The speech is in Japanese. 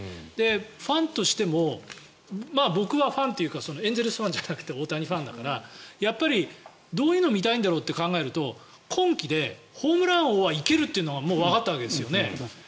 ファンとしても僕はファンというかエンゼルスファンじゃなくて大谷ファンだからやっぱりどういうのを見たいのかって考えると今季で、ホームラン王はいけるというのがもうわかったわけですよね。